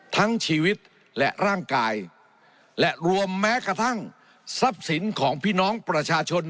ทั้งชีวิตและร่างกายและรวมแม้กระทั่งทรัพย์สินของพี่น้องประชาชน